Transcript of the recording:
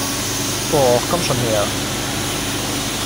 Och, komm schon her!